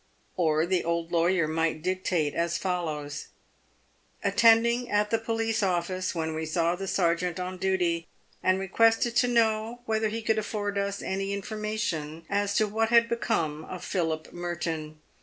Or the old lawyer might dictate as follows :" Attending at the police office, when we saw the sergeant PAVED WITH GOLD. 243 on duty, and requested to know whether he could afford us any in formation as to what had become of Philip Merton.